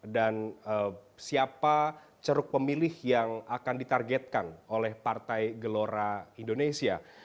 dan siapa ceruk pemilih yang akan ditargetkan oleh partai gelora indonesia